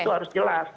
itu harus jelas